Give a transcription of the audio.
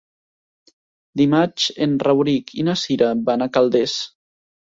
Dimarts en Rauric i na Cira van a Calders.